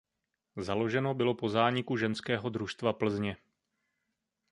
Založeno bylo po zániku ženského družstva Plzně.